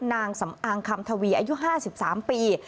นางสำอางคำทวีอายุ๕๓ปี